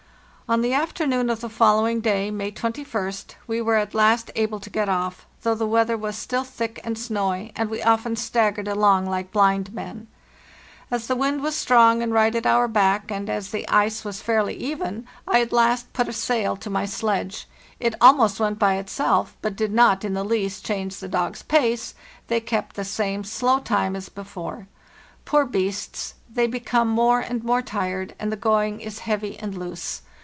On the afternoon of the following day (May a2tst) we were at last able to get off, though the weather was still thick and snowy, and we often staggered along like blind men. "As the wind was strong and right at our 220 HAKTHEST NORTH. back, and as the ice was fairly even, I at last put a sail to my sledge. It almost went by itself, but did not in the least change the dogs' pace; they kept the same slow time as before. Poor beasts, they become more and more tired, and the going is heavy and loose.